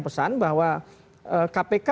pesan bahwa kpk